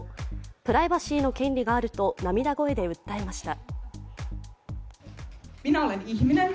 プライバシーの権利があると涙声で訴えました。